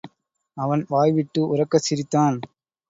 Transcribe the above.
அவன் வாய்விட்டு உரக்கச் சிரித்தான்.